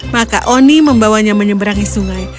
maka oni membawanya menyeberangi sungai